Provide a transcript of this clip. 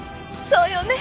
そうよね！